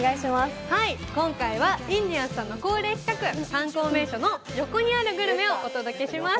今回はインディアンスさんの恒例企画、観光名所の横にあるグルメをご紹介します。